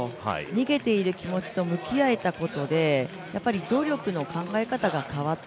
逃げている気持ちと向き合えたことで、努力の考え方が変わった。